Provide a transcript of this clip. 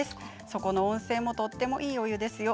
そこの温泉もとてもいいお湯ですよ。